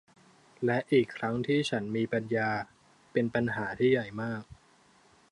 และอีกครั้งที่ฉันมีปัญญา เป็นปัญหาที่ใหญ่มาก